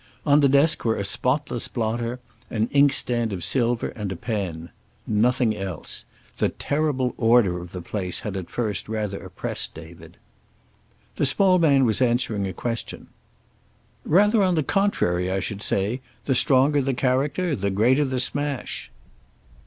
On the desk were a spotless blotter, an inkstand of silver and a pen. Nothing else. The terrible order of the place had at first rather oppressed David. The small man was answering a question. "Rather on the contrary, I should say. The stronger the character the greater the smash."